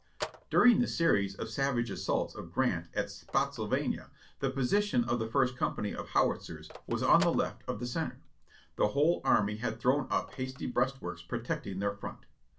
"During the series of savage assaults of Grant at Spottsylvania the position of the First Company of Howitzers was on the left of the center. The whole army had thrown up hasty breastworks protecting their front.